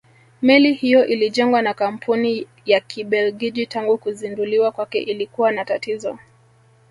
Meli hiyo ilijengwa na kampuni ya Kibelgiji tangu kuzinduliwa kwake ilikuwa na tatizo